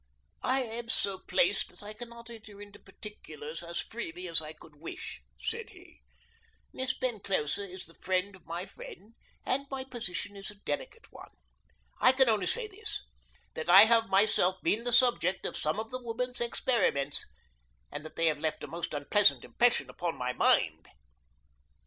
"I am so placed that I cannot enter into particulars as freely as I could wish," said he. "Miss Penclosa is the friend of my friend, and my position is a delicate one. I can only say this: that I have myself been the subject of some of the woman's experiments, and that they have left a most unpleasant impression upon my mind."